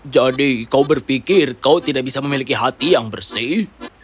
jadi kau berpikir kau tidak bisa memiliki hati yang bersih